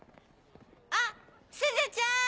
あっすずちゃん！